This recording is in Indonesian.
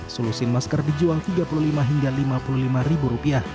solusin masker dijual tiga puluh lima hingga lima puluh lima rupiah